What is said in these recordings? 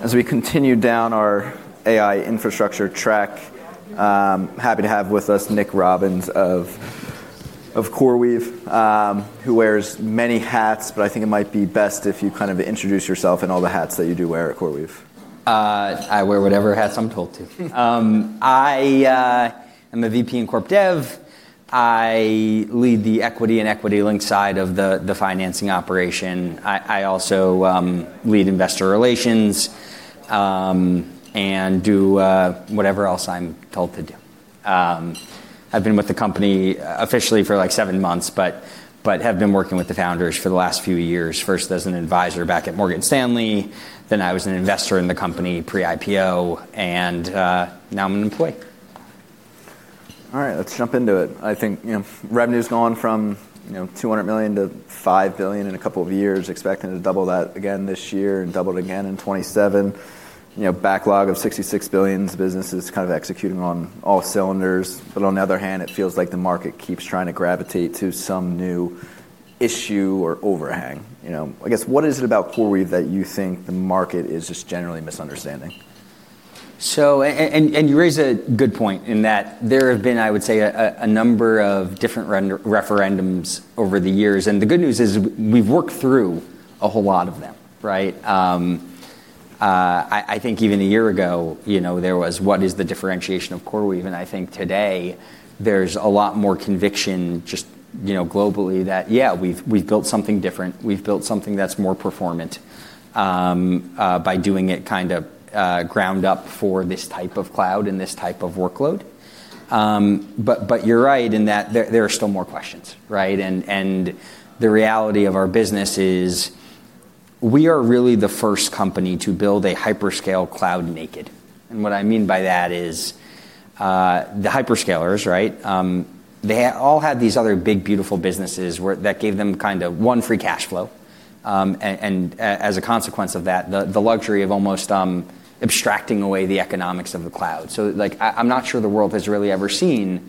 As we continue down our AI infrastructure track, happy to have with us Nick Robbins of CoreWeave, who wears many hats, but I think it might be best if you kind of introduce yourself and all the hats that you do wear at CoreWeave. I wear whatever hats I'm told to. I am a VP in Corp Dev. I lead the equity and equity-linked side of the financing operation. I also lead Investor Relations and do whatever else I'm told to do. I've been with the company officially for like seven months but have been working with the founders for the last few years, first as an advisor back at Morgan Stanley, then I was an investor in the company pre-IPO, and now I'm an employee. All right, let's jump into it. I think, you know, revenue's gone from, you know, $200 million to $5 billion in a couple of years, expecting to double that again this year and double it again in 2027. You know, backlog of $66 billion. The business is kind of executing on all cylinders. On the other hand, it feels like the market keeps trying to gravitate to some new issue or overhang, you know. I guess, what is it about CoreWeave that you think the market is just generally misunderstanding? You raise a good point in that there have been, I would say, a number of different referendums over the years, and the good news is we've worked through a whole lot of them, right? I think even a year ago, you know, there was, "What is the differentiation of CoreWeave?" I think today there's a lot more conviction just, you know, globally that, yeah, we've built something different. We've built something that's more performant by doing it kind of ground up for this type of cloud and this type of workload. But you're right in that there are still more questions, right? The reality of our business is we are really the first company to build a hyperscale cloud natively. What I mean by that is the hyperscalers, right? They all had these other big, beautiful businesses that gave them kind of one free cash flow, and as a consequence of that, the luxury of almost abstracting away the economics of the cloud. Like, I'm not sure the world has really ever seen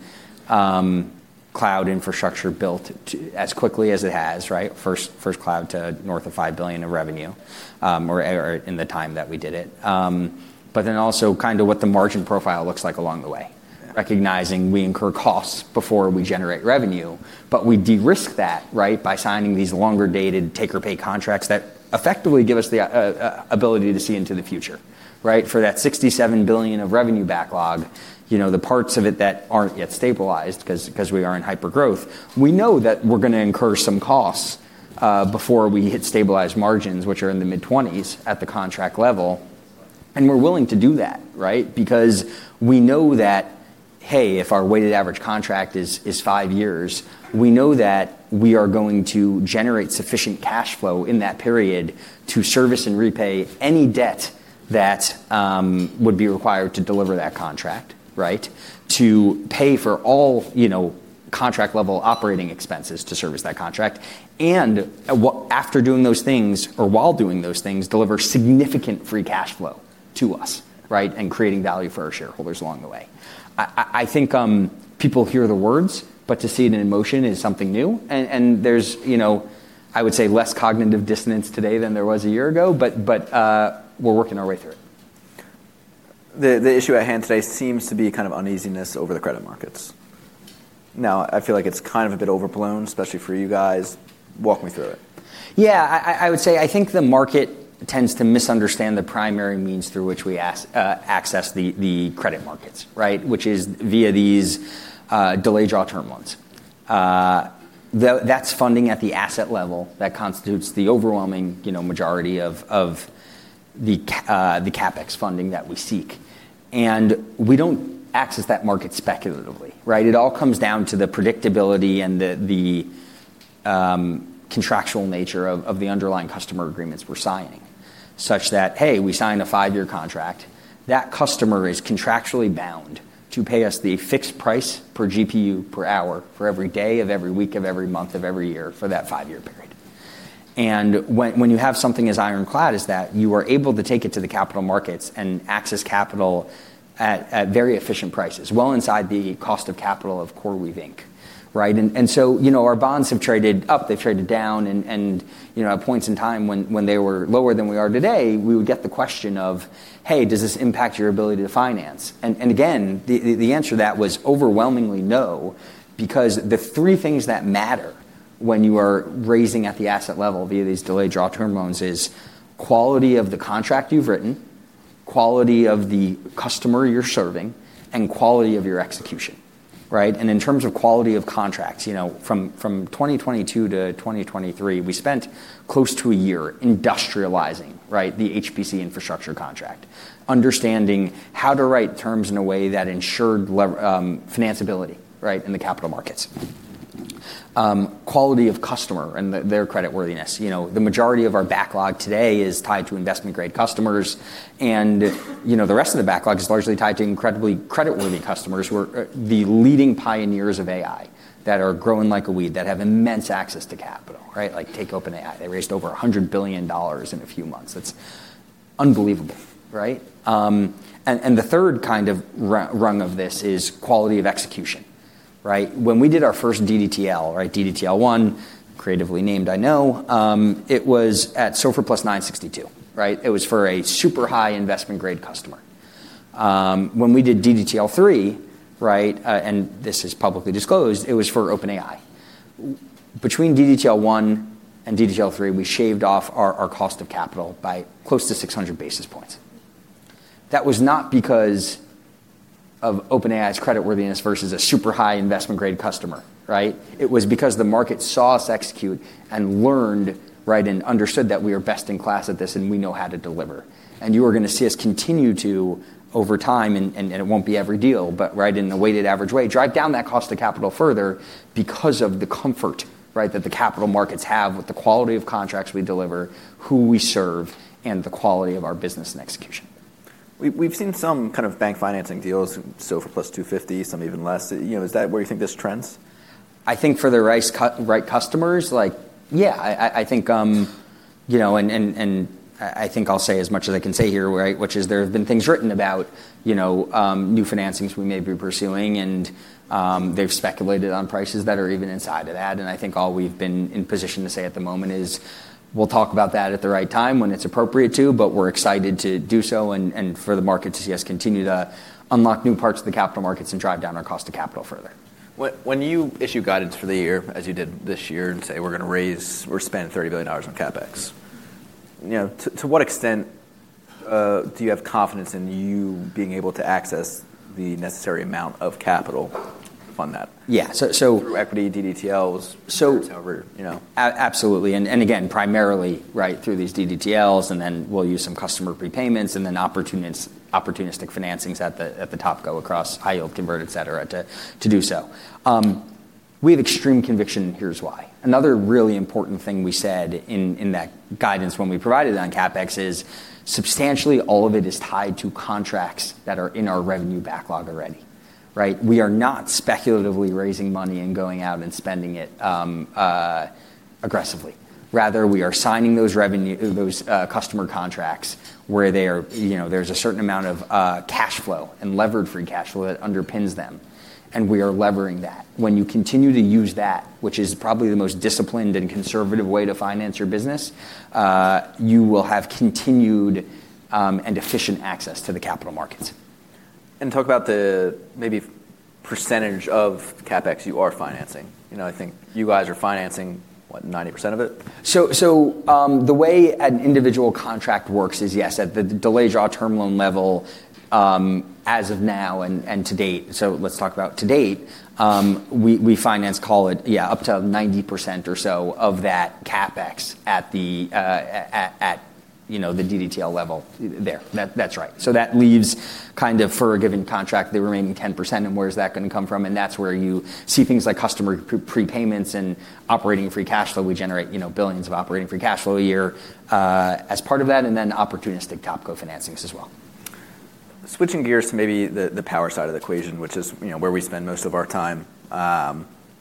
cloud infrastructure built as quickly as it has, right? First cloud to north of $5 billion of revenue, or in the time that we did it. Then also kinda what the margin profile looks like along the way. Recognizing we incur costs before we generate revenue, but we de-risk that, right, by signing these longer-dated take-or-pay contracts that effectively give us the ability to see into the future, right? For that $67 billion of revenue backlog, you know, the parts of it that aren't yet stabilized 'cause we are in hypergrowth, we know that we're gonna incur some costs before we hit stabilized margins, which are in the mid-20s at the contract level, and we're willing to do that, right? Because we know that, hey, if our weighted average contract is five years, we know that we are going to generate sufficient cash flow in that period to service and repay any debt that would be required to deliver that contract, right? To pay for all, you know, contract level operating expenses to service that contract and after doing those things or while doing those things, deliver significant free cash flow to us, right? Creating value for our shareholders along the way. I think people hear the words, but to see it in motion is something new. There's, you know, I would say less cognitive dissonance today than there was a year ago, but we're working our way through it. The issue at hand today seems to be kind of uneasiness over the credit markets. Now, I feel like it's kind of a bit overblown, especially for you guys. Walk me through it. Yeah. I would say I think the market tends to misunderstand the primary means through which we access the credit markets, right? Which is via these delayed draw term loans. That's funding at the asset level that constitutes the overwhelming, you know, majority of the CapEx funding that we seek. We don't access that market speculatively, right? It all comes down to the predictability and the contractual nature of the underlying customer agreements we're signing, such that, hey, we signed a five-year contract. That customer is contractually bound to pay us the fixed price per GPU per hour for every day of every week of every month of every year for that five-year period. When you have something as ironclad as that, you are able to take it to the capital markets and access capital at very efficient prices, well inside the cost of capital of CoreWeave, Inc., right? You know, our bonds have traded up, they've traded down, and you know, at points in time when they were lower than we are today, we would get the question of, "Hey, does this impact your ability to finance?" Again, the answer to that was overwhelmingly no because the three things that matter when you are raising at the asset level via these delayed draw term loans is quality of the contract you've written, quality of the customer you're serving, and quality of your execution, right? In terms of quality of contracts, you know, from 2022-2023, we spent close to a year industrializing, right, the HPC infrastructure contract, understanding how to write terms in a way that ensured financeability, right, in the capital markets. Quality of customer and their creditworthiness. You know, the majority of our backlog today is tied to investment-grade customers, and, you know, the rest of the backlog is largely tied to incredibly creditworthy customers who are the leading pioneers of AI that are growing like a weed, that have immense access to capital, right? Like, take OpenAI. They raised over $100 billion in a few months. It's unbelievable, right? The third kind of rung of this is quality of execution. Right. When we did our first DDTL, right, DDTL 1, creatively named, I know, it was at SOFR+ 962, right? It was for a super high investment-grade customer. When we did DDTL 3, right, and this is publicly disclosed, it was for OpenAI. Between DDTL 1 and DDTL 3, we shaved off our cost of capital by close to 600 basis points. That was not because of OpenAI's creditworthiness versus a super high investment-grade customer, right? It was because the market saw us execute and learned, right, and understood that we are best in class at this, and we know how to deliver. You are gonna see us continue to over time, and it won't be every deal, but right in the weighted average way, drive down that cost of capital further because of the comfort, right, that the capital markets have with the quality of contracts we deliver, who we serve, and the quality of our business and execution. We've seen some kind of bank financing deals, SOFR+ 250, some even less. You know, is that where you think this trends? I think for the right customers, like, yeah, I think, you know, and I think I'll say as much as I can say here, right, which is there have been things written about, you know, new financings we may be pursuing and, they've speculated on prices that are even inside of that. I think all we've been in position to say at the moment is, we'll talk about that at the right time when it's appropriate to, but we're excited to do so and for the market to see us continue to unlock new parts of the capital markets and drive down our cost of capital further. When you issue guidance for the year, as you did this year, and say, "We're gonna raise or spend $30 billion on CapEx," you know, to what extent do you have confidence in you being able to access the necessary amount of capital to fund that? Yeah. Through equity, DDTLs. So. However, you know. Absolutely. Again, primarily, right, through these DDTLs, and then we'll use some customer prepayments and then opportunistic financings at the topco across high-yield convertibles, etc. to do so. We have extreme conviction, and here's why. Another really important thing we said in that guidance when we provided it on CapEx is substantially all of it tied to contracts that are in our revenue backlog already, right? We are not speculatively raising money and going out and spending it aggressively. Rather, we are signing those revenue, those customer contracts where they are, you know, there's a certain amount of cash flow and levered free cash flow that underpins them, and we are levering that. When you continue to use that, which is probably the most disciplined and conservative way to finance your business, you will have continued and efficient access to the capital markets. Talk about the maybe percentage of CapEx you are financing. You know, I think you guys are financing, what, 90% of it? The way an individual contract works is, yes, at the delayed draw term loan level, as of now and to date, let's talk about to date. We finance, call it, yeah, up to 90% or so of that CapEx at the, you know, the DDTL level there. That's right. That leaves kind of for a given contract the remaining 10% and where is that gonna come from, and that's where you see things like customer prepayments and operating free cash flow. We generate, you know, billions of operating free cash flow a year, as part of that, and then opportunistic topco financings as well. Switching gears to maybe the power side of the equation, which is, you know, where we spend most of our time,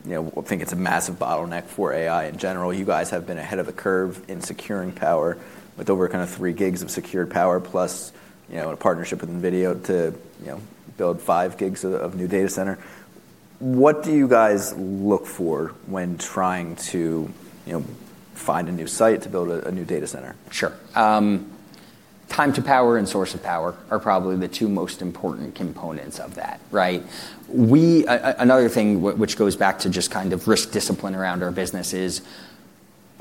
you know, we think it's a massive bottleneck for AI in general. You guys have been ahead of the curve in securing power with over kinda 3 GW of secured power plus, you know, a partnership with NVIDIA to, you know, build 5 GW of new data center. What do you guys look for when trying to, you know, find a new site to build a new data center? Sure. Time to power and source of power are probably the two most important components of that, right? Another thing which goes back to just kind of risk discipline around our business is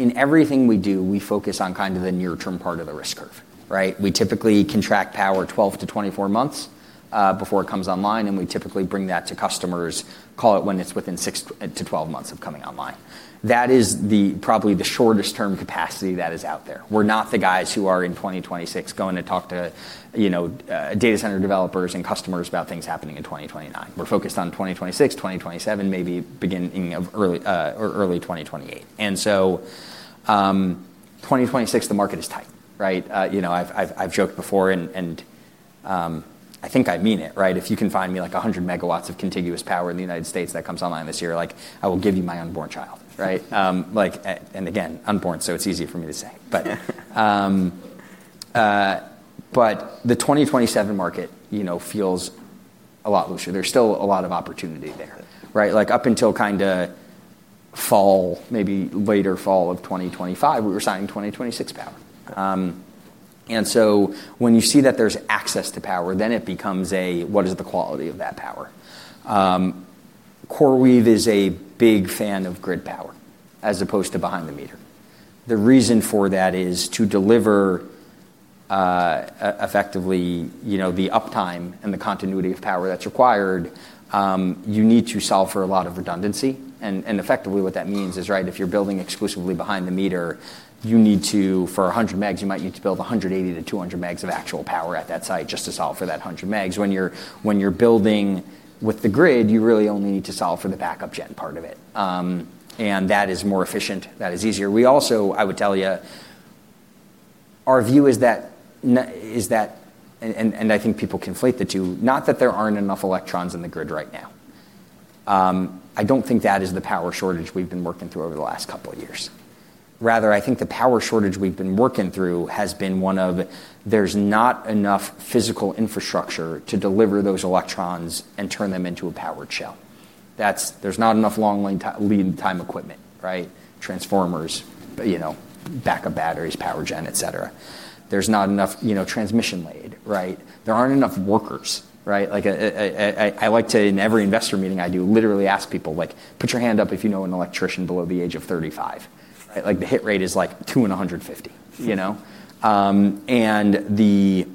in everything we do, we focus on kind of the near term part of the risk curve, right? We typically contract power 12-24 months before it comes online, and we typically bring that to customers, call it when it's within six to 12 months of coming online. That is probably the shortest term capacity that is out there. We're not the guys who are in 2026 going to talk to data center developers and customers about things happening in 2029. We're focused on 2026, 2027, maybe beginning of early or early 2028. 2026, the market is tight, right? You know, I've joked before and I think I mean it, right? If you can find me like 100 MW of contiguous power in the United States that comes online this year, like I will give you my unborn child, right? Like, and again, unborn, so it's easy for me to say. The 2027 market, you know, feels a lot looser. There's still a lot of opportunity there, right? Like up until kinda fall, maybe later fall of 2025, we were signing 2026 power. When you see that there's access to power, then it becomes what is the quality of that power. CoreWeave is a big fan of grid power as opposed to behind the meter. The reason for that is to deliver, effectively, you know, the uptime and the continuity of power that's required, you need to solve for a lot of redundancy. Effectively what that means is, right, if you're building exclusively behind the meter, you need to, for 100 MW, you might need to build 180 MW-200 MW of actual power at that site just to solve for that 100 MW. When you're building with the grid, you really only need to solve for the backup gen part of it. That is more efficient. That is easier. We also, I would tell you, our view is that is that, I think people conflate the two, not that there aren't enough electrons in the grid right now. I don't think that is the power shortage we've been working through over the last couple of years. Rather, I think the power shortage we've been working through has been one of there's not enough physical infrastructure to deliver those electrons and turn them into a power shelf. There's not enough long lead time equipment, right? Transformers, you know, backup batteries, power gen, et cetera. There's not enough, you know, transmission lines, right? There aren't enough workers, right? Like, I like to, in every investor meeting I do, literally ask people, like, "Put your hand up if you know an electrician below the age of 35. Right. Like, the hit rate is, like, two in 150, you know? The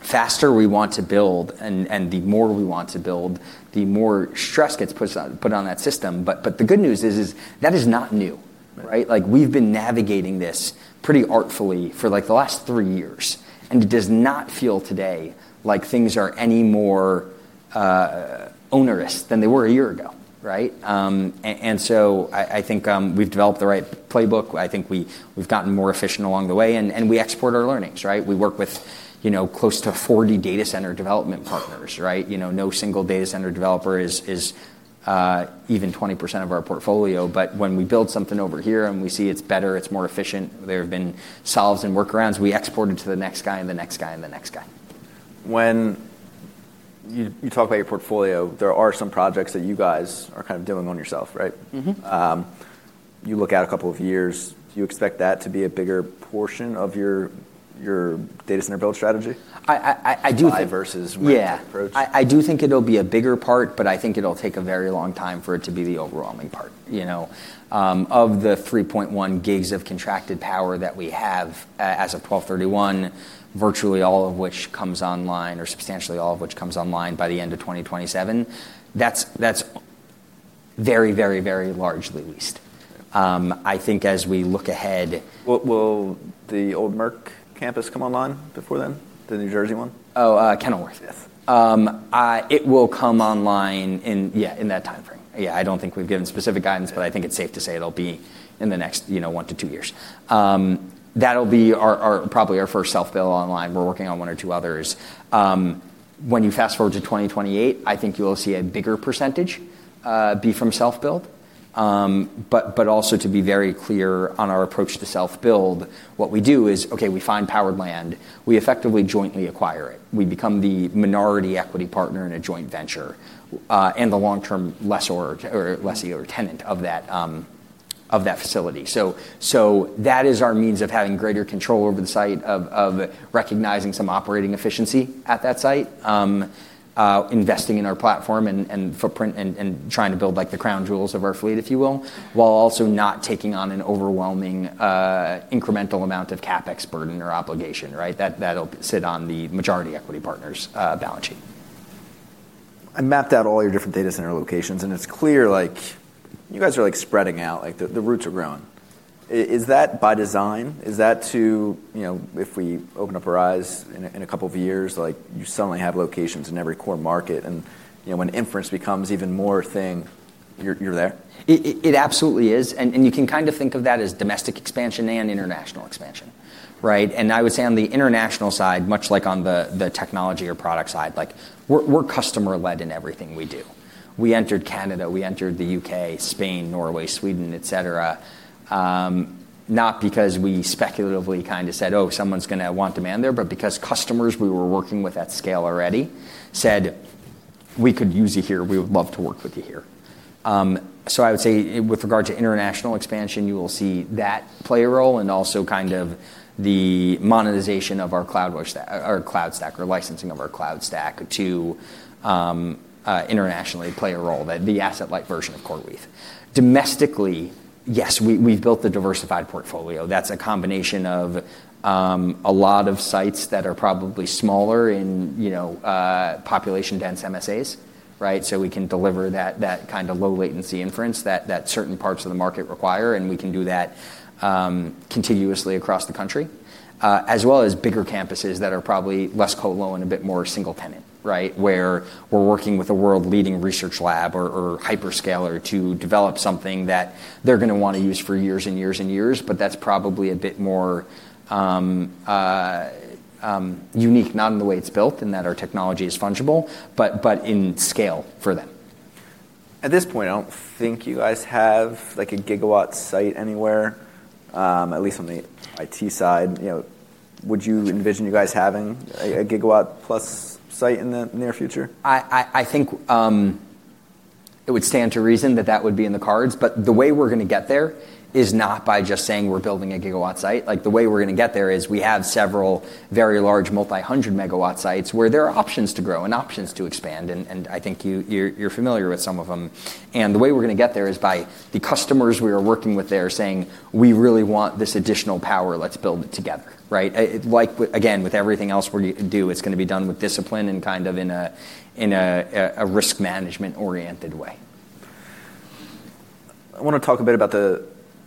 faster we want to build and the more we want to build, the more stress gets put on that system. The good news is that is not new. Right. Like, we've been navigating this pretty artfully for, like, the last three years, and it does not feel today like things are any more onerous than they were a year ago, right? I think we've developed the right playbook. I think we've gotten more efficient along the way, and we export our learnings, right? We work with, you know, close to 40 data center development partners, right? You know, no single data center developer is even 20% of our portfolio. When we build something over here and we see it's better, it's more efficient, there have been solutions and workarounds, we export it to the next guy, and the next guy, and the next guy. When you talk about your portfolio, there are some projects that you guys are kind of doing on your own, right? You look out a couple of years, do you expect that to be a bigger portion of your data center build strategy? I do think. Buy versus rent approach. Yeah. I do think it'll be a bigger part, but I think it'll take a very long time for it to be the overwhelming part. You know, of the 3.1 GW of contracted power that we have as of 12/31, virtually all of which comes online, or substantially all of which comes online by the end of 2027, that's very largely leased. I think as we look ahead. Will the old Merck campus come online before then, the New Jersey one? Kenilworth, yes. It will come online in, yeah, in that timeframe. Yeah, I don't think we've given specific guidance, but I think it's safe to say it'll be in the next, you know, one to two years. That'll be our first self-build online. We're working on one or two others. When you fast-forward to 2028, I think you'll see a bigger percentage be from self-build. But also to be very clear on our approach to self-build, what we do is, okay, we find powered land. We effectively jointly acquire it. We become the minority equity partner in a joint venture, and the long-term lessor or lessee or tenant of that facility. That is our means of having greater control over the site of recognizing some operating efficiency at that site, investing in our platform and footprint, and trying to build, like, the crown jewels of our fleet, if you will, while also not taking on an overwhelming incremental amount of CapEx burden or obligation, right? That, that'll sit on the majority equity partner's balance sheet. I mapped out all your different data center locations, and it's clear, like, you guys are, like, spreading out, like the roots are growing. Is that by design? Is that to, you know, if we open up our eyes in a couple of years, like, you suddenly have locations in every core market and, you know, when inference becomes even more thing, you're there. It absolutely is, and you can kind of think of that as domestic expansion and international expansion, right? I would say on the international side, much like on the technology or product side, like we're customer-led in everything we do. We entered Canada, we entered the U.K., Spain, Norway, Sweden, et cetera, not because we speculatively kinda said, "Oh, someone's gonna want demand there," but because customers we were working with at scale already said, "We could use you here. We would love to work with you here." I would say with regard to international expansion, you will see that play a role and also kind of the monetization of our cloud stack or licensing of our cloud stack to internationally play a role, the asset-light version of CoreWeave. Domestically, yes, we've built the diversified portfolio. That's a combination of a lot of sites that are probably smaller in, you know, population-dense MSAs, right? We can deliver that kind of low latency inference that certain parts of the market require, and we can do thatcontiguously across the country. As well as bigger campuses that are probably less co-lo and a bit more single tenant, right? Where we're working with a world-leading research lab or hyperscaler to develop something that they're gonna wanna use for years and years and years. That's probably a bit more unique, not in the way it's built in that our technology is fungible, but in scale for them. At this point, I don't think you guys have, like, 1 GW site anywhere, at least on the IT side. You know, would you envision you guys having 1 GW+ site in the near future? I think it would stand to reason that that would be in the cards, but the way we're gonna get there is not by just saying we're building 1 GW site. Like, the way we're gonna get there is we have several very large multi 100 MW sites where there are options to grow and options to expand, and I think you're familiar with some of them. The way we're gonna get there is by the customers we are working with there saying, "We really want this additional power. Let's build it together," right? Like with again with everything else we do, it's gonna be done with discipline and kind of in a risk management-oriented way. I wanna talk a bit about the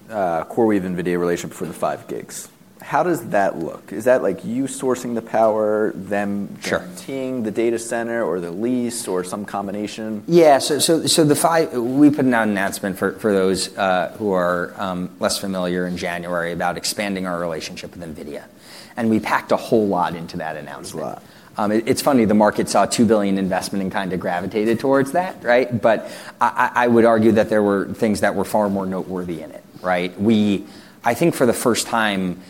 CoreWeave NVIDIA relationship for the 5 GW. How does that look? Is that, like, you sourcing the power, them renting the data center or the lease or some combination? Yeah, so the 5 GW, we put out an announcement for those who are less familiar in January about expanding our relationship with NVIDIA, and we packed a whole lot into that announcement. Wow. It's funny, the market saw a $2 billion investment and kind of gravitated towards that, right? I would argue that there were things that were far more noteworthy in it, right? I think for the first time,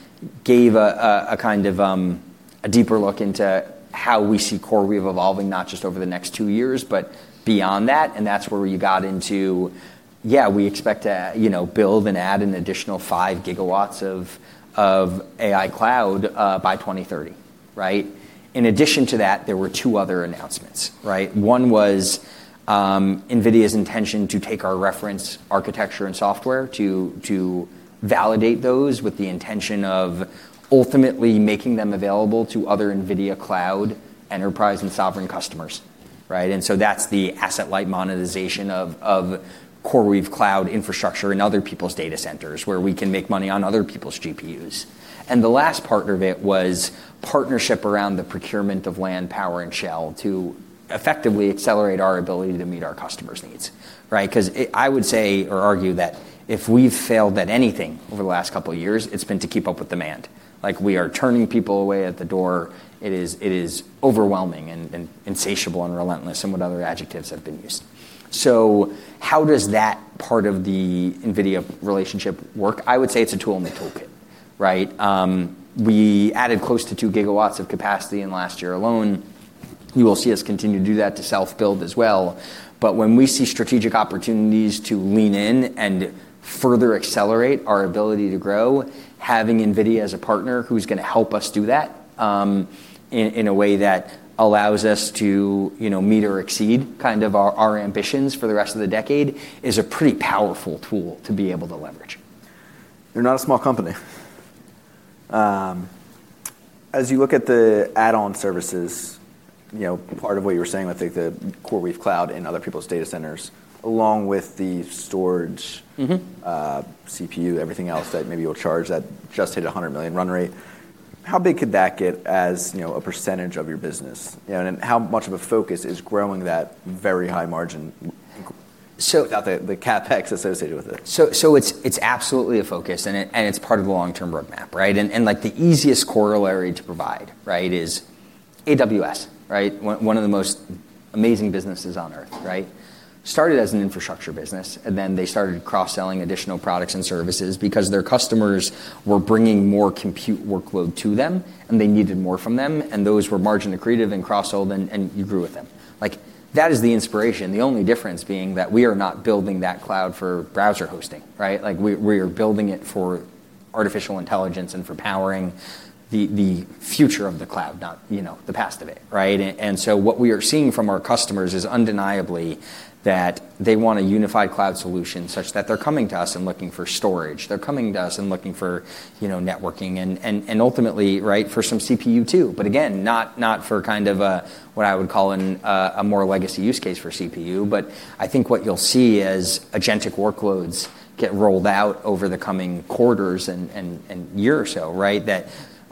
gave a deeper look into how we see CoreWeave evolving not just over the next two years, but beyond that, and that's where you got into we expect to, you know, build and add an additional 5 GW of AI cloud by 2030, right? In addition to that, there were two other announcements, right? One was NVIDIA's intention to take our reference architecture and software to validate those with the intention of ultimately making them available to other NVIDIA Cloud enterprise and sovereign customers, right? That's the asset-light monetization of CoreWeave cloud infrastructure in other people's data centers where we can make money on other people's GPUs. The last part of it was partnership around the procurement of land, power, and shell to effectively accelerate our ability to meet our customers' needs, right? 'Cause I would say or argue that if we've failed at anything over the last couple of years, it's been to keep up with demand. Like, we are turning people away at the door. It is overwhelming and insatiable and relentless and what other adjectives have been used. How does that part of the NVIDIA relationship work? I would say it's a tool in the toolkit, right? We added close to 2 GW of capacity in last year alone. You will see us continue to do that to self-build as well. When we see strategic opportunities to lean in and further accelerate our ability to grow, having NVIDIA as a partner who's gonna help us do that, in a way that allows us to, you know, meet or exceed kind of our ambitions for the rest of the decade is a pretty powerful tool to be able to leverage. You're not a small company. As you look at the add-on services, you know, part of what you were saying with the CoreWeave cloud in other people's data centers, along with the storage, CPU, everything else that maybe you'll charge that just hit a $100 million run rate, how big could that get as, you know, a percentage of your business? You know, and how much of a focus is growing that very high margin, the CapEx associated with it. It's absolutely a focus and it's part of a long-term roadmap, right? Like the easiest corollary to provide, right, is AWS, right? One of the most amazing businesses on Earth, right? Started as an infrastructure business, and then they started cross-selling additional products and services because their customers were bringing more compute workload to them, and they needed more from them, and those were margin accretive and cross-sold and you grew with them. Like, that is the inspiration. The only difference being that we are not building that cloud for browser hosting, right? Like we are building it for artificial intelligence and for powering the future of the cloud, not, you know, the past of it, right? What we are seeing from our customers is undeniably that they want a unified cloud solution such that they're coming to us and looking for storage. They're coming to us and looking for, you know, networking and ultimately, right, for some CPU too. But again, not for kind of a, what I would call a more legacy use case for CPU, but I think what you'll see as agentic workloads get rolled out over the coming quarters and year or so, right?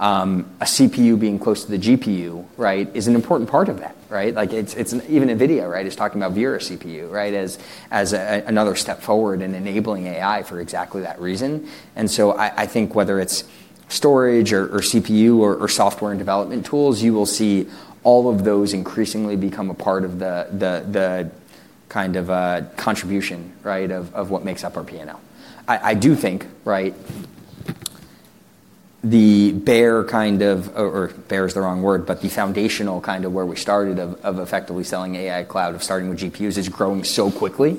A CPU being close to the GPU, right, is an important part of that, right? Like, it's even NVIDIA, right, is talking about Vera CPU, right? As another step forward in enabling AI for exactly that reason. I think whether it's storage or CPU or software and development tools, you will see all of those increasingly become a part of the kind of contribution, right, of what makes up our P&L. I do think, right, the bare kind of—or bare is the wrong word, but the foundational kind of where we started of effectively selling AI cloud, of starting with GPUs is growing so quickly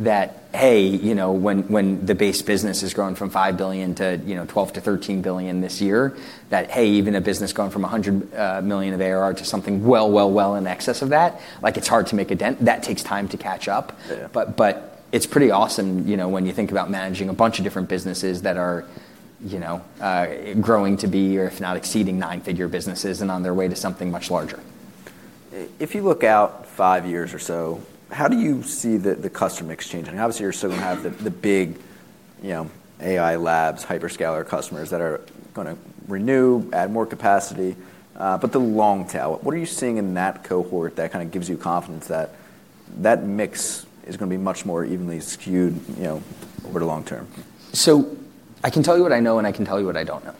that, hey, you know, when the base business has grown from $5 billion to, you know, $12 billion-$13 billion this year, that hey, even a business going from $100 million of ARR to something well in excess of that, like it's hard to make a dent. That takes time to catch up. Yeah. It's pretty awesome, you know, when you think about managing a bunch of different businesses that are, you know, growing to be or if not exceeding nine-figure businesses and on their way to something much larger. If you look out five years or so, how do you see the customer mix changing? Obviously, you're still gonna have the big, you know, AI labs, hyperscaler customers that are gonna renew, add more capacity, but the long tail, what are you seeing in that cohort that kind of gives you confidence that that mix is gonna be much more evenly skewed, you know, over the long term? I can tell you what I know, and I can tell you what I don't know.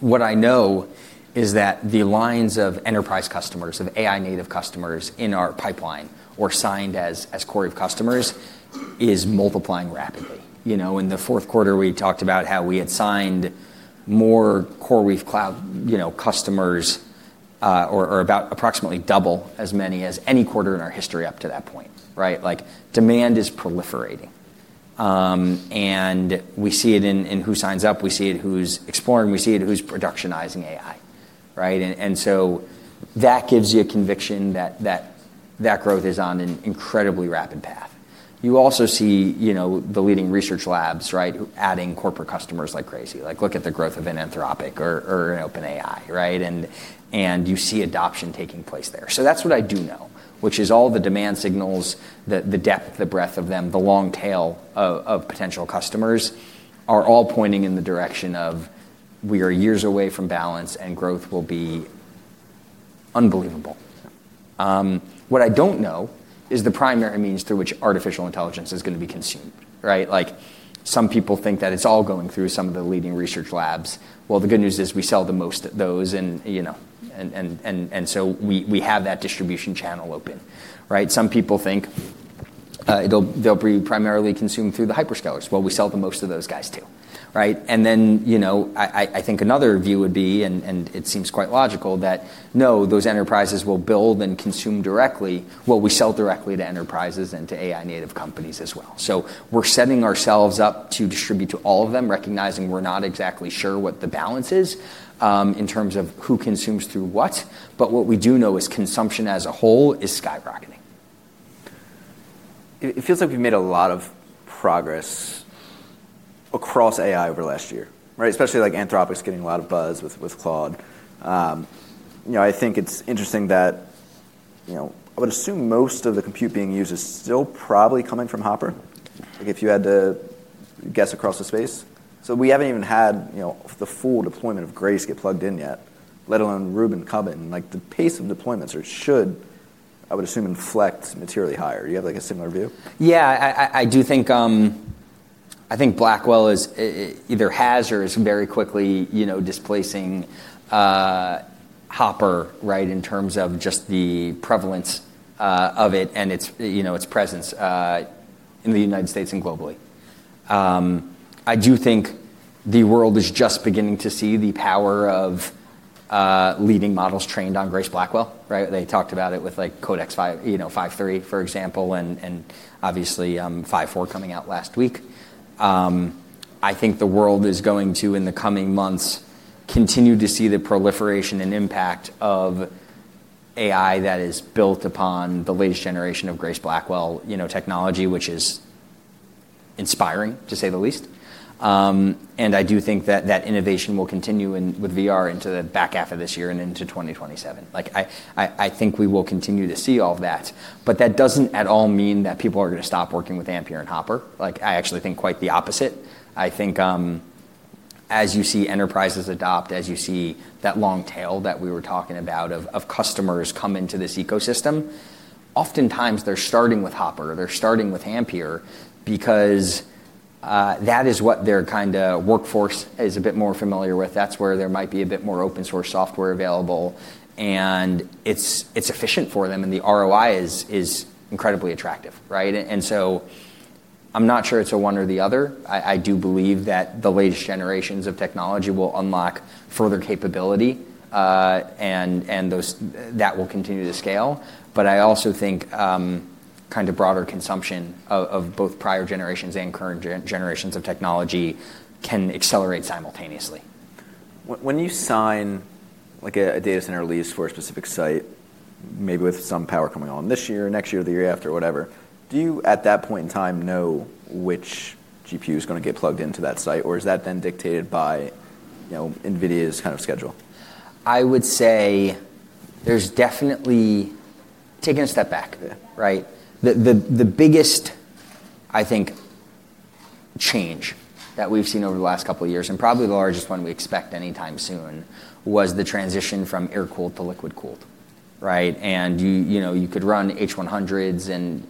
What I know is that the lines of enterprise customers, of AI native customers in our pipeline or signed as CoreWeave customers is multiplying rapidly. You know, in the fourth quarter, we talked about how we had signed more CoreWeave cloud, you know, customers, or about approximately double as many as any quarter in our history up to that point, right? Like demand is proliferating, and we see it in who signs up, we see it who's exploring, we see it who's productionizing AI, right? And so that gives you a conviction that growth is on an incredibly rapid path. You also see, you know, the leading research labs, right, adding corporate customers like crazy. Like look at the growth of an Anthropic or an OpenAI, right? You see adoption taking place there. That's what I do know, which is all the demand signals, the depth, the breadth of them, the long tail of potential customers are all pointing in the direction of we are years away from balance, and growth will be unbelievable. What I don't know is the primary means through which artificial intelligence is gonna be consumed, right? Like some people think that it's all going through some of the leading research labs. Well, the good news is we sell the most of those and, you know, so we have that distribution channel open, right? Some people think they'll be primarily consumed through the hyperscalers. Well, we sell the most of those guys too, right? Then, you know, I think another view would be. It seems quite logical that those enterprises will build and consume directly. We sell directly to enterprises and to AI native companies as well. We're setting ourselves up to distribute to all of them, recognizing we're not exactly sure what the balance is in terms of who consumes through what. What we do know is consumption as a whole is skyrocketing. It feels like we've made a lot of progress across AI over the last year, right? Especially like Anthropic's getting a lot of buzz with Claude. You know, I think it's interesting that, you know, I would assume most of the compute being used is still probably coming from Hopper, like if you had to guess across the space. We haven't even had, you know, the full deployment of Grace get plugged in yet, let alone Rubin. Like the pace of deployments should, I would assume, inflect materially higher. You have like a similar view? Yeah, I do think Blackwell is either has or is very quickly, you know, displacing Hopper, right, in terms of just the prevalence of it and its, you know, its presence in the United States and globally. I do think the world is just beginning to see the power of leading models trained on Grace Blackwell, right? They talked about it with like Codex 5, you know, 5.3, for example, and obviously, 5.4 coming out last week. I think the world is going to, in the coming months, continue to see the proliferation and impact of AI that is built upon the latest generation of Grace Blackwell, you know, technology, which is inspiring, to say the least. I do think that innovation will continue in VR into the back half of this year and into 2027. Like I think we will continue to see all of that, but that doesn't at all mean that people are gonna stop working with Ampere and Hopper. Like I actually think quite the opposite. I think, as you see enterprises adopt, as you see that long tail that we were talking about of customers come into this ecosystem, oftentimes they're starting with Hopper, they're starting with Ampere because that is what their kinda workforce is a bit more familiar with. That's where there might be a bit more open source software available, and it's efficient for them, and the ROI is incredibly attractive, right? I'm not sure it's a one or the other. I do believe that the latest generations of technology will unlock further capability, and that will continue to scale. I also think kinda broader consumption of both prior generations and current generations of technology can accelerate simultaneously. When you sign like a data center lease for a specific site, maybe with some power coming on this year, next year, or the year after, whatever, do you at that point in time know which GPU is gonna get plugged into that site? Or is that then dictated by, you know, NVIDIA's kind of schedule? I would say there's definitely. Taking a step back, right? The biggest, I think, change that we've seen over the last couple of years, and probably the largest one we expect any time soon, was the transition from air-cooled to liquid-cooled, right? You know, you could run H100s and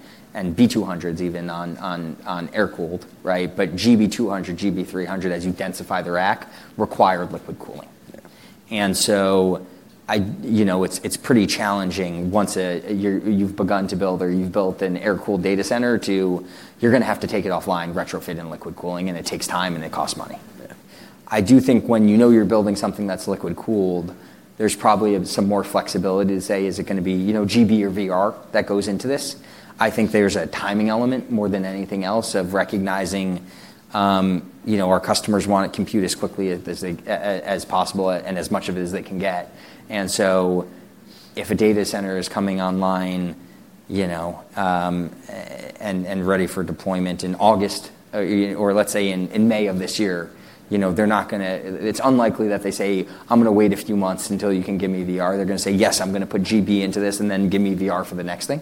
B200s even on air-cooled, right? GB200, GB300 as you densify the rack require liquid cooling. Yeah. You know, it's pretty challenging once you've begun to build or you've built an air-cooled data center. You're gonna have to take it offline, retrofit in liquid cooling, and it takes time, and it costs money. Yeah. I do think when you know you're building something that's liquid-cooled, there's probably some more flexibility to say, is it gonna be, you know, GB or VR that goes into this? I think there's a timing element more than anything else of recognizing, you know, our customers wanna compute as quickly as possible and as much of it as they can get. If a data center is coming online, you know, and ready for deployment in August or let's say in May of this year, you know, it's unlikely that they say, "I'm gonna wait a few months until you can give me VR." They're gonna say, "Yes, I'm gonna put GB into this and then give me VR for the next thing."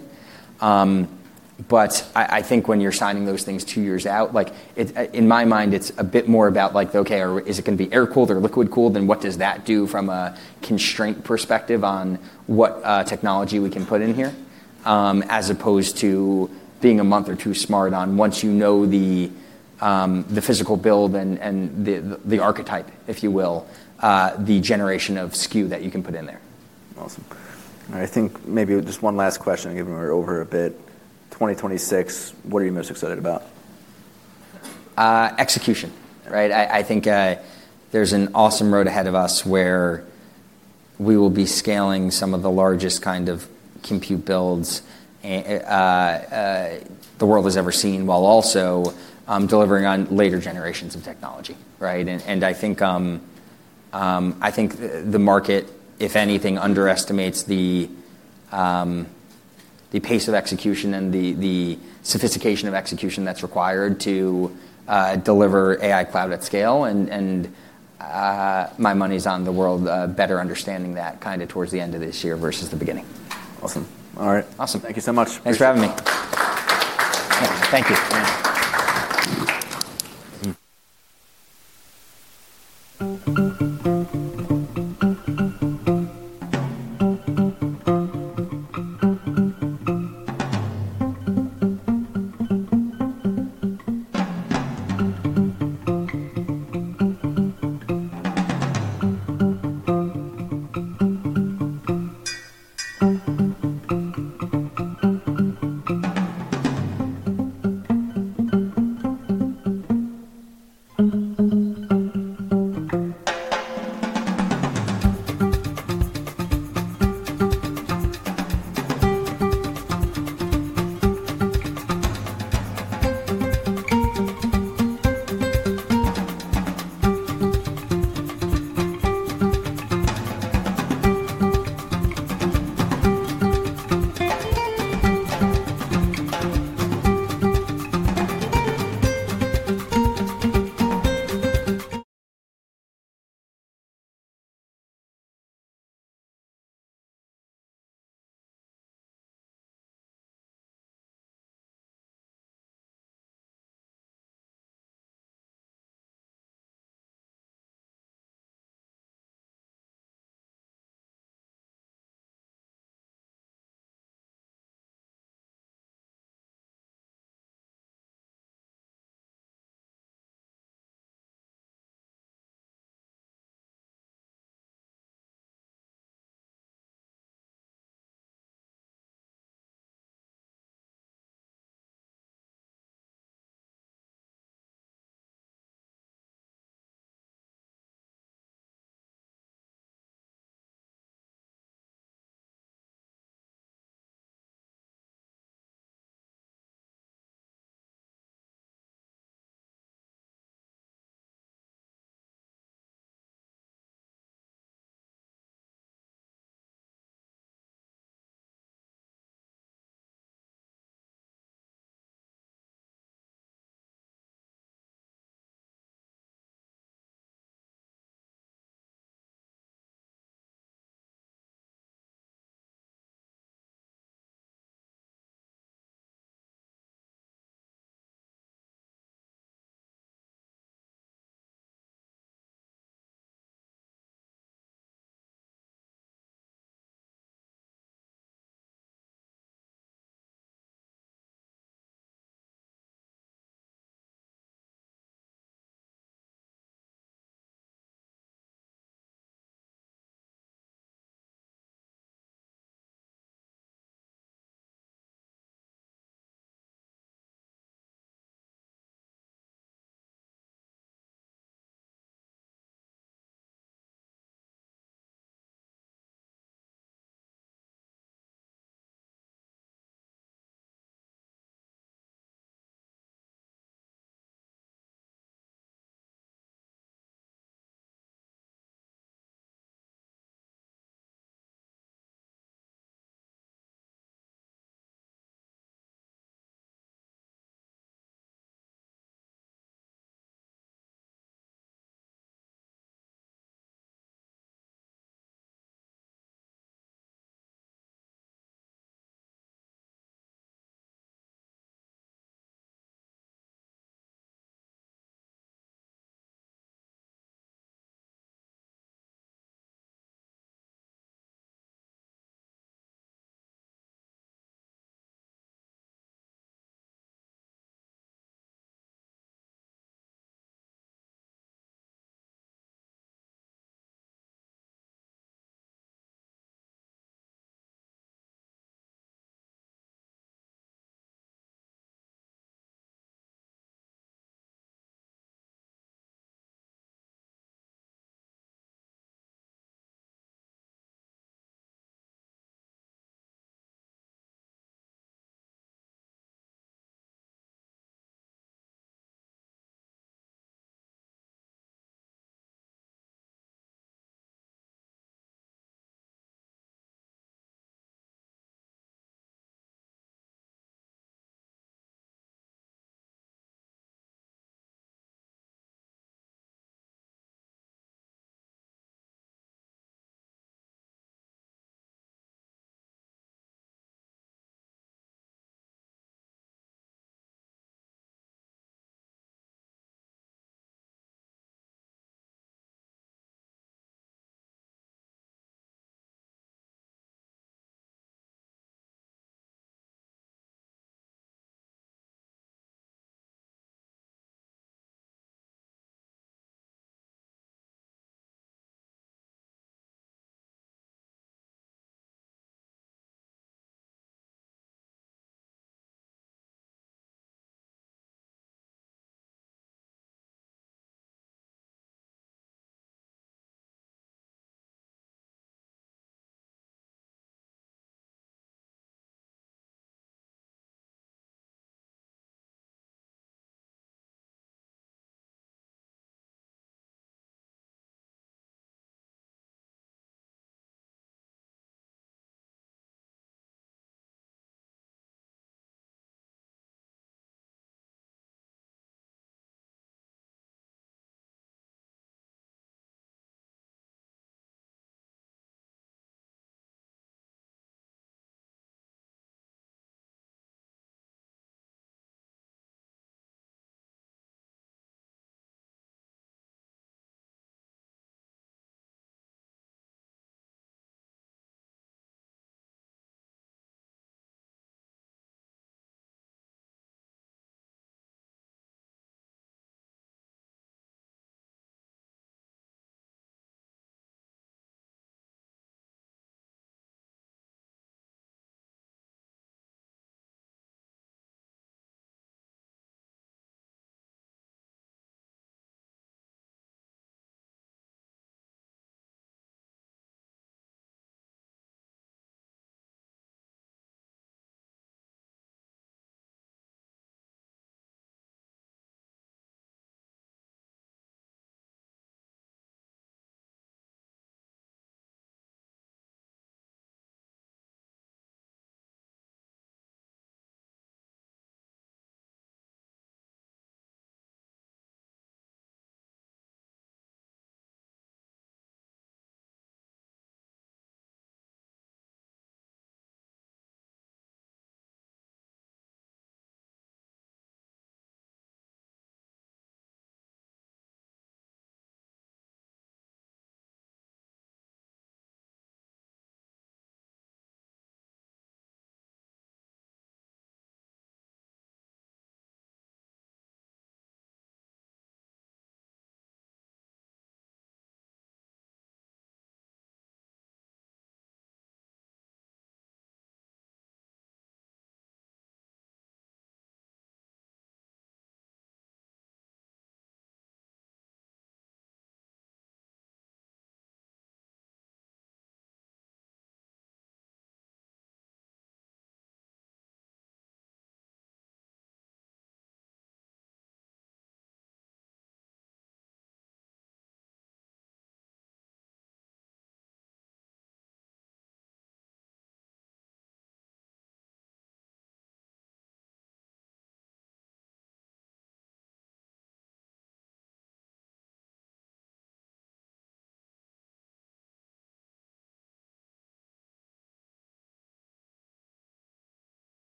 But I think when you're signing those things two years out, like, in my mind, it's a bit more about like, okay, is it gonna be air-cooled or liquid-cooled? Then what does that do from a constraint perspective on what technology we can put in here? As opposed to being a month or two smart on once you know the physical build and the archetype, if you will, the generation of SKU that you can put in there. Awesome. I think maybe just one last question, I think we're over a bit. 2026, what are you most excited about? Execution, right, I think there's an awesome road ahead of us where we will be scaling some of the largest kind of compute builds the world has ever seen, while also delivering on later generations of technology, right? I think the market, if anything, underestimates the pace of execution and the sophistication of execution that's required to deliver AI cloud at scale. My money's on the world better understanding that kinda towards the end of this year versus the beginning. Awesome. All right. Awesome. Thank you so much. Thanks for having me. Thank you.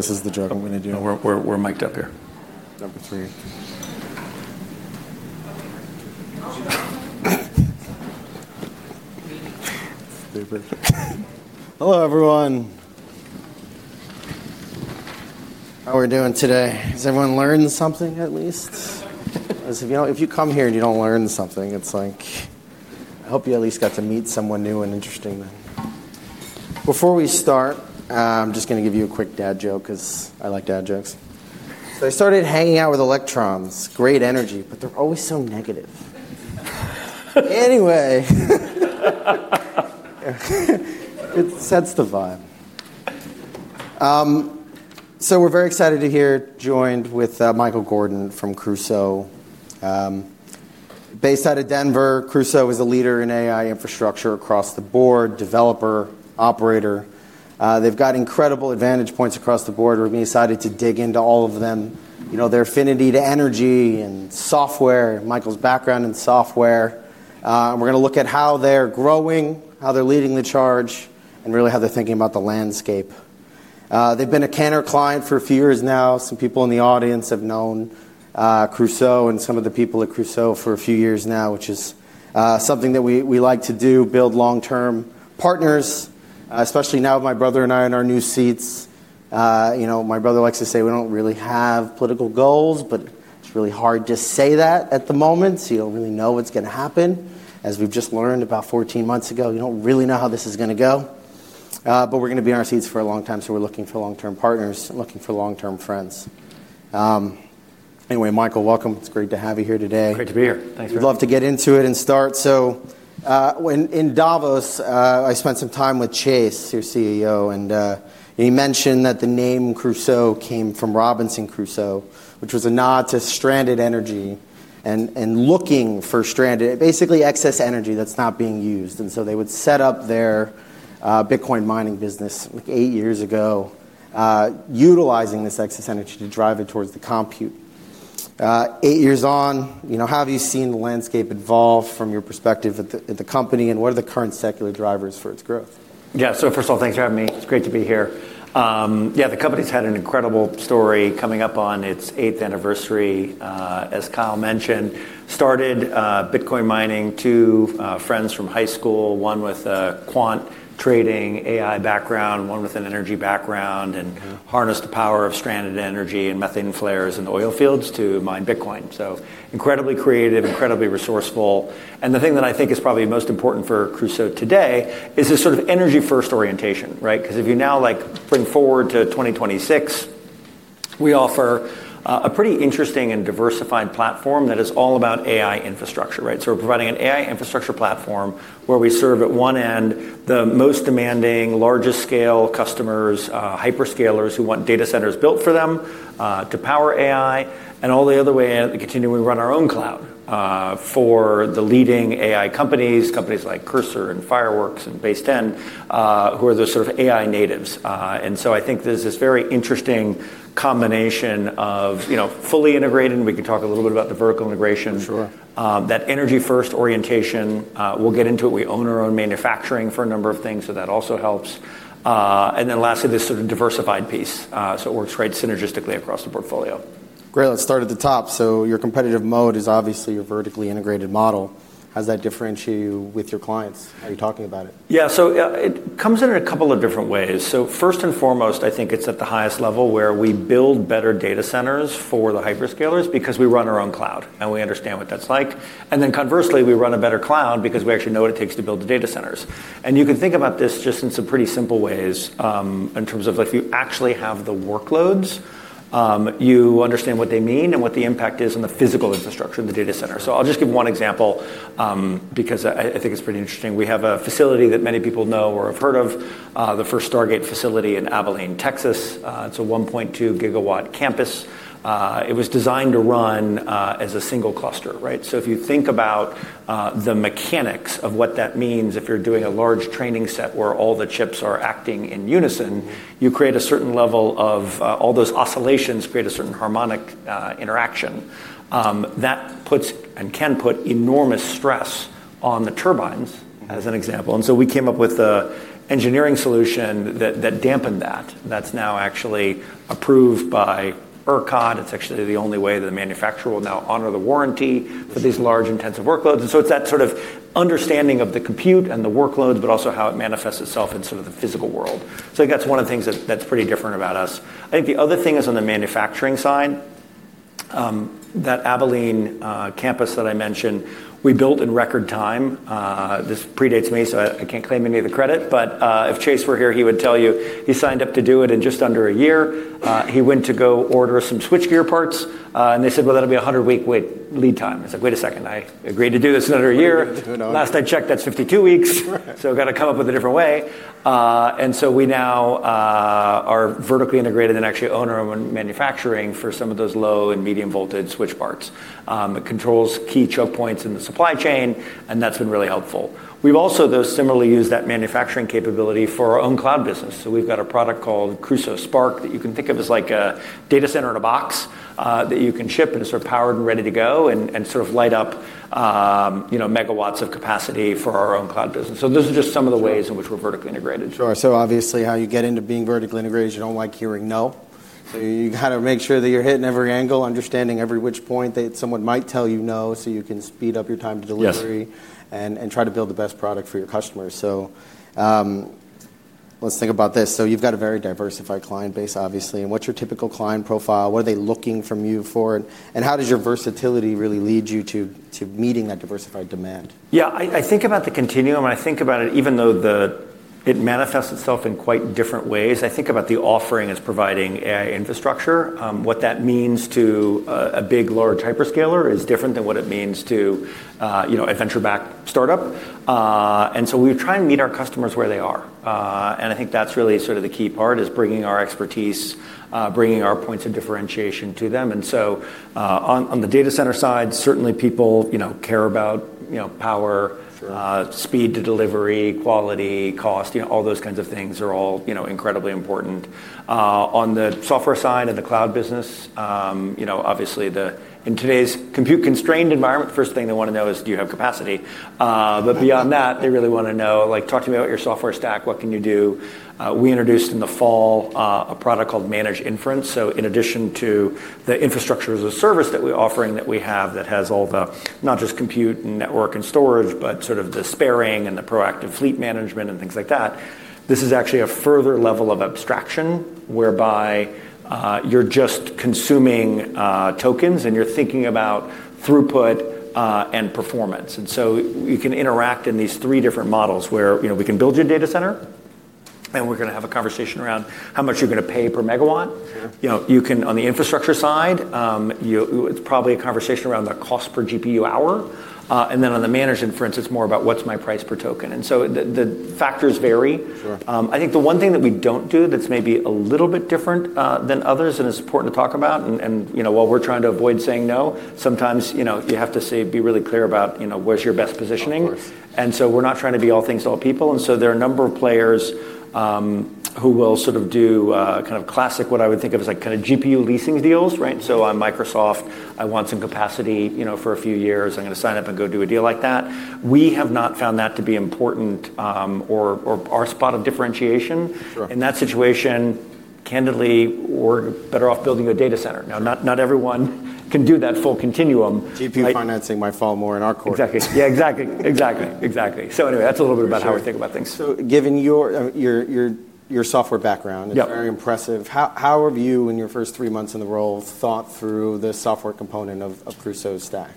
Yeah. All right. No, but it's good. I guess this is the joke I'm gonna do. We're miked up here. Number three. It's very brief. Hello, everyone. How are we doing today? Has everyone learned something at least? As you know, if you come here, and you don't learn something, it's like, I hope you at least got to meet someone new and interesting. Before we start, I'm just gonna give you a quick dad joke 'cause I like dad jokes. I started hanging out with electrons, great energy, but they're always so negative. Anyway, it sets the vibe. We're very excited to have here joined with Michael Gordon from Crusoe. Based out of Denver, Crusoe is a leader in AI infrastructure across the board, developer, operator. They've got incredible advantages across the board. We're gonna be excited to dig into all of them, you know, their affinity to energy and software, and Michael's background in software. We're gonna look at how they're growing, how they're leading the charge, and really how they're thinking about the landscape. They've been a Cantor client for a few years now. Some people in the audience have known Crusoe and some of the people at Crusoe for a few years now, which is something that we like to do, build long-term partners, especially now with my brother and I in our new seats. You know, my brother likes to say we don't really have political goals, but it's really hard to say that at the moment, so you don't really know what's gonna happen. As we've just learned about 14 months ago, you don't really know how this is gonna go, but we're gonna be in our seats for a long time, so we're looking for long-term partners and looking for long-term friends. Anyway, Michael, welcome. It's great to have you here today. Great to be here. Thanks for having me. Love to get into it and start. When in Davos, I spent some time with Chase, your CEO, and he mentioned that the name Crusoe came from Robinson Crusoe, which was a nod to stranded energy and looking for stranded. Basically, excess energy that's not being used. They would set up their Bitcoin mining business, like, eight years ago, utilizing this excess energy to drive it towards the compute. Eight years on, you know, how have you seen the landscape evolve from your perspective at the company, and what are the current secular drivers for its growth? Yeah. First of all, thanks for having me. It's great to be here. The company's had an incredible story coming up on its eighth anniversary. As Kyle mentioned, started Bitcoin mining, two friends from high school, one with a quant trading AI background, one with an energy background. Harnessed the power of stranded energy and methane flares in the oil fields to mine Bitcoin. Incredibly creative, incredibly resourceful. The thing that I think is probably most important for Crusoe today is this sort of energy-first orientation, right? 'Cause if you now, like, bring forward to 2026, we offer a pretty interesting and diversified platform that is all about AI infrastructure, right? We're providing an AI infrastructure platform where we serve, at one end, the most demanding, largest scale customers, hyperscalers who want data centers built for them, to power AI, and all the other way, we continue and we run our own cloud, for the leading AI companies like Cursor and Fireworks AI and Baseten, who are the sort of AI natives. I think there's this very interesting combination of, you know, fully integrated, and we can talk a little bit about the vertical integration. Sure. That energy-first orientation, we'll get into it. We own our own manufacturing for a number of things, so that also helps. Lastly, this sort of diversified piece, so it works quite synergistically across the portfolio. Great. Let's start at the top. Your competitive moat is obviously your vertically integrated model. How does that differentiate you with your clients? How are you talking about it? Yeah. It comes in a couple of different ways. First and foremost, I think it's at the highest level where we build better data centers for the hyperscalers because we run our own cloud, and we understand what that's like. Then conversely, we run a better cloud because we actually know what it takes to build the data centers. You can think about this just in some pretty simple ways, in terms of if you actually have the workloads, you understand what they mean and what the impact is on the physical infrastructure of the data center. I'll just give one example, because I think it's pretty interesting. We have a facility that many people know or have heard of, the first Stargate facility in Abilene, Texas. It's a 1.2 GW campus. It was designed to run as a single cluster, right? If you think about the mechanics of what that means if you're doing a large training set where all the chips are acting in unison, you create a certain level of all those oscillations create a certain harmonic interaction that puts and can put enormous stress on the turbines, as an example. We came up with an engineering solution that dampened that. That's now actually approved by ERCOT. It's actually the only way that a manufacturer will now honor the warranty. For these large intensive workloads. It's that sort of understanding of the compute and the workloads, but also how it manifests itself in sort of the physical world. I think that's one of the things that's pretty different about us. I think the other thing is on the manufacturing side. That Abilene campus that I mentioned, we built in record time. This predates me, so I can't claim any of the credit. If Chase were here, he would tell you he signed up to do it in just under a year. He went to go order some switchgear parts, and they said, "Well, that'll be a 100-week lead time." He's like, "Wait a second, I agreed to do this in under a year." Last I checked, that's 52 weeks. We gotta come up with a different way. We now are vertically integrated and actually own our own manufacturing for some of those low and medium voltage switch parts. It controls key choke points in the supply chain, and that's been really helpful. We've also, though, similarly used that manufacturing capability for our own cloud business. We've got a product called Crusoe Spark that you can think of as like a data center in a box that you can ship and is sort of powered and ready to go and sort of light up megawatts of capacity for our own cloud business. Those are just some of the ways in which we're vertically integrated. Sure. Obviously, how you get into being vertically integrated is you don't like hearing no. You gotta make sure that you're hitting every angle, understanding every which point that someone might tell you no, so you can speed up your time to delivery. Yes. Try to build the best product for your customers. Let's think about this. You've got a very diversified client base, obviously. What's your typical client profile? What are they looking from you for? How does your versatility really lead you to meeting that diversified demand? Yeah. I think about the continuum, and I think about it even though it manifests itself in quite different ways. I think about the offering as providing AI infrastructure. What that means to a big large hyperscaler is different than what it means to, you know, a venture-backed startup. We try and meet our customers where they are. I think that's really sort of the key part, is bringing our expertise, bringing our points of differentiation to them. On the data center side, certainly people, you know, care about, you know, power, speed to delivery, quality, cost, you know, all those kinds of things are all, you know, incredibly important. On the software side of the cloud business, you know, obviously, in today's compute constrained environment, first thing they wanna know is do you have capacity? But beyond that, they really wanna know, like, talk to me about your software stack. What can you do? We introduced in the fall a product called Managed Inference. In addition to the Infrastructure-as-a-Service that we're offering that we have that has all the, not just compute and network and storage, but sort of the sparing and the proactive fleet management and things like that, this is actually a further level of abstraction whereby you're just consuming tokens, and you're thinking about throughput and performance. You can interact in these three different models where, you know, we can build your data center, and we're gonna have a conversation around how much you're gonna pay per megawatt. You know, you can, on the infrastructure side, it's probably a conversation around the cost per GPU hour. Then on the Managed Inference, it's more about what's my price per token, and so the factors vary. Sure. I think the one thing that we don't do that's maybe a little bit different than others, and it's important to talk about, and you know, while we're trying to avoid saying no, sometimes, you know, you have to say, be really clear about, you know, where's your best positioning. Of course. We're not trying to be all things to all people, and so there are a number of players, who will sort of do kind of classic, what I would think of as, like, kind of GPU leasing deals, right? I'm Microsoft, I want some capacity, you know, for a few years. I'm gonna sign up and go do a deal like that. We have not found that to be important, or our spot of differentiation. Sure. In that situation, candidly, we're better off building a data center. Now, not everyone can do that full continuum. GPU financing might fall more in our court. Exactly. Yeah, exactly. Exactly. That's a little bit about how we think about things. Given your software background. It's very impressive. How have you, in your first three months in the role, thought through the software component of Crusoe's stack?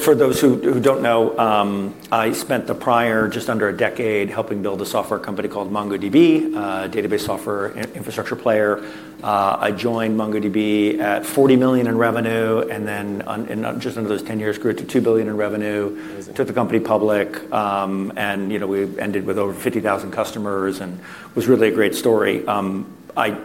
For those who don't know, I spent the prior just under a decade helping build a software company called MongoDB, a database software infrastructure player. I joined MongoDB at $40 million in revenue, and then just under those 10 years, grew it to $2 billion in revenue. Amazing. Took the company public. You know, we ended with over 50,000 customers and was really a great story. I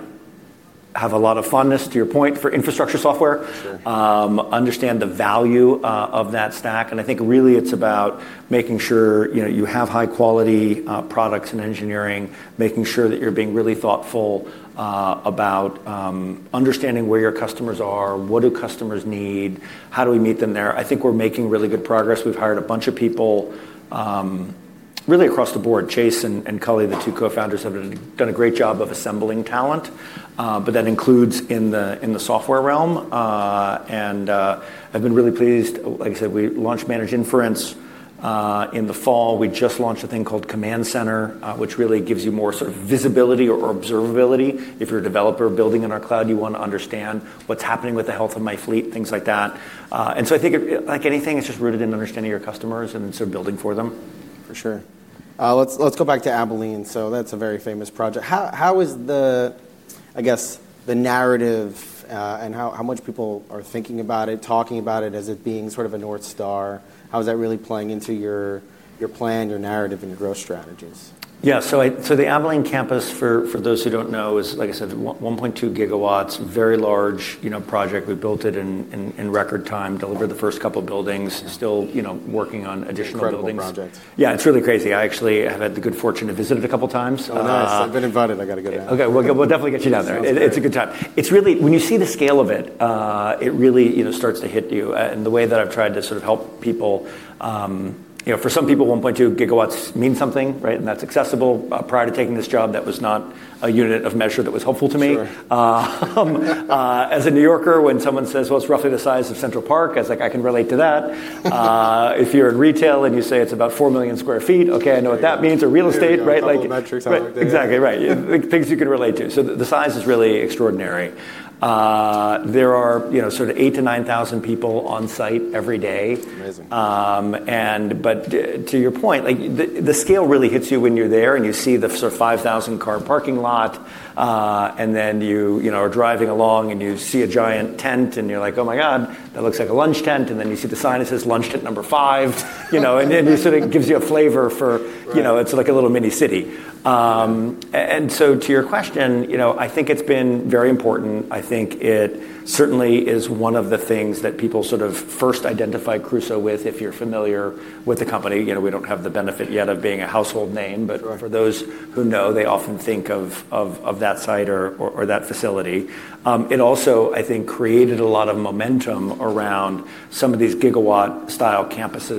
have a lot of fondness, to your point, for infrastructure software. Sure. Understand the value of that stack, and I think really it's about making sure, you know, you have high quality products and engineering, making sure that you're being really thoughtful about understanding where your customers are, what do customers need, how do we meet them there. I think we're making really good progress. We've hired a bunch of people really across the board. Chase and Cully, the two co-founders, have done a great job of assembling talent, but that includes in the software realm. I've been really pleased. Like I said, we launched Managed Inference in the fall. We just launched a thing called Mission Control, which really gives you more sort of visibility or observability. If you're a developer building in our cloud, you wanna understand what's happening with the health of my fleet, things like that. I think, like anything, it's just rooted in understanding your customers and then sort of building for them. For sure. Let's go back to Abilene. That's a very famous project. How is the narrative, I guess, and how many people are thinking about it, talking about it as it being sort of a North Star, how is that really playing into your plan, your narrative, and your growth strategies? The Abilene campus, for those who don't know, is, like I said, 1.2 GW, very large, you know, project. We built it in record time, delivered the first couple buildings. Still, you know, working on additional buildings. Incredible project. Yeah, it's really crazy. I actually have had the good fortune to visit it a couple times. Oh, nice. I've been invited. I gotta go down. Okay. We'll definitely get you down there. Sounds great. It's a good time. It's really. When you see the scale of it really, you know, starts to hit you. The way that I've tried to sort of help people, you know, for some people, 1.2 GW means something, right? That's accessible. Prior to taking this job, that was not a unit of measure that was helpful to me. Sure. As a New Yorker, when someone says, "Well, it's roughly the size of Central Park," I was like, "I can relate to that." If you're in retail, and you say it's about four million sq ft. There you go. Okay, I know what that means. Real estate, right? All the metrics out there. Exactly, right. Yeah. Things you can relate to. The size is really extraordinary. There are, you know, sort of 8,000-9,000 people on site every day. Amazing. To your point, like, the scale really hits you when you're there, and you see the sort of 5,000-car parking lot. You, you know, are driving along, and you see a giant tent, and you're like, "Oh, my God. That looks like a lunch tent." You see the sign that says, "Lunch tent number 5." You know, it just sort of gives you a flavor for. Right You know, it's like a little mini city. To your question, you know, I think it's been very important. I think it certainly is one of the things that people sort of first identify Crusoe with, if you're familiar with the company. You know, we don't have the benefit yet of being a household name, but for those who know, they often think of that site or that facility. It also, I think, created a lot of momentum around some of these gigawatt style campuses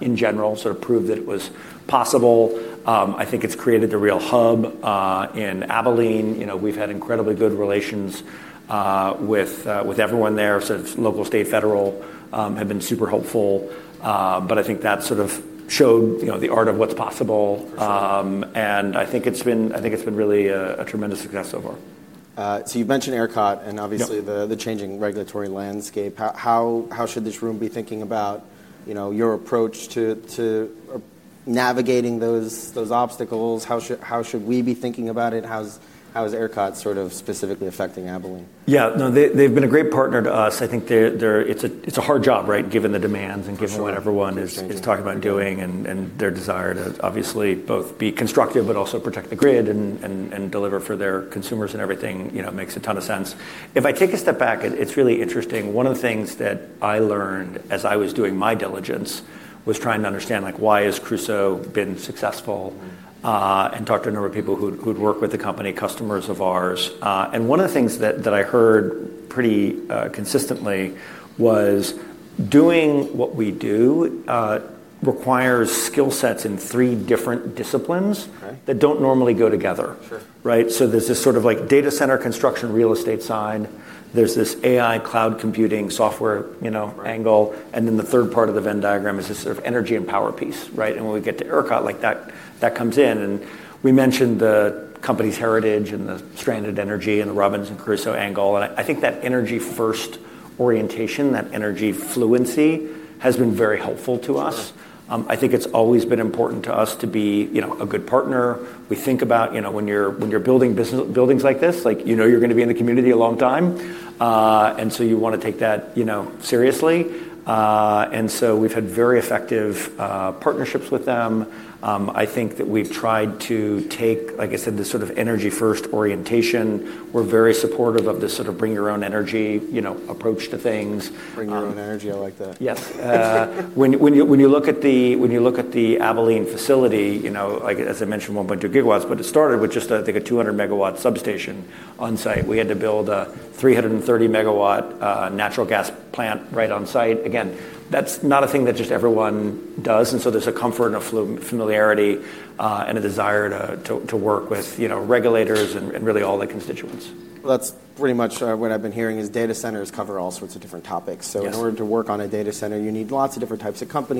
in general, sort of proved that it was possible. I think it's created the real hub in Abilene. You know, we've had incredibly good relations with everyone there. It's local, state, federal have been super helpful. I think that sort of showed the art of what's possible. For sure. I think it's been really a tremendous success so far. You've mentioned ERCOT. Yep Obviously the changing regulatory landscape. How should this room be thinking about, you know, your approach to navigating those obstacles? How should we be thinking about it? How's ERCOT sort of specifically affecting Abilene? Yeah, no, they've been a great partner to us. I think they're. It's a hard job, right? Given the demands. For sure. Given what everyone is talking about doing and their desire to obviously both be constructive but also protect the grid and deliver for their consumers and everything, you know, makes a ton of sense. If I take a step back, it's really interesting. One of the things that I learned as I was doing my diligence was trying to understand, like, why has Crusoe been successful? Talked to a number of people who'd worked with the company, customers of ours. One of the things that I heard pretty consistently was doing what we do requires skill sets in three different disciplines that don't normally go together. Sure. Right? There's this sort of like data center construction, real estate side. There's this AI, cloud computing, software, you know, angle, and then the third part of the Venn diagram is this sort of energy and power piece, right? When we get to ERCOT, like, that comes in. We mentioned the company's heritage and the stranded energy and the Robbins and Crusoe angle, and I think that energy first orientation, that energy fluency, has been very helpful to us. Sure. I think it's always been important to us to be, you know, a good partner. We think about, you know, when you're building buildings like this, like, you know you're gonna be in the community a long time. You wanna take that, you know, seriously. We've had very effective partnerships with them. I think that we've tried to take, like I said, this sort of energy first orientation. We're very supportive of this sort of bring your own energy, you know, approach to things. Bring your own energy, I like that. Yes. When you look at the Abilene facility, you know, like, as I mentioned, 1.2 GW, but it started with just a, I think a 200 MW substation on site. We had to build a 330 MW natural gas plant right on site. Again, that's not a thing that just everyone does, and so there's a comfort and a familiarity and a desire to work with, you know, regulators and really all the constituents. Well, that's pretty much what I've been hearing is data centers cover all sorts of different topics. Yes. In order to work on a data center, you need lots of different types of companies.